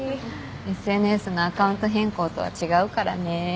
ＳＮＳのアカウント変更とは違うからね。